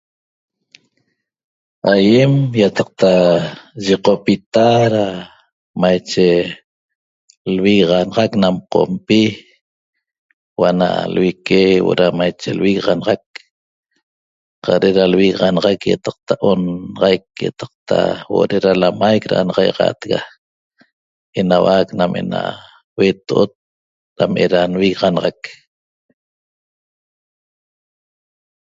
Aýem ýataqta yiqopita da maiche lviganaxac nam Qompi huo'o ana lvique huo'o da maiche lvigaxanaxac qaq de'da lvigaxanaxac ýataqta onaxaic ýataqta huo'o de'da lamaic da qan'axaixaatega enauac nam ne'ena hueto'ot dam de'da nvigaxanaxac